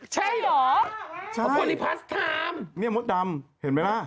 ใช่หรือใช่นี่มดดำเห็นไหมล่ะ